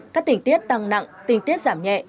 các tình tiết tăng nặng tình tiết giảm nhẹ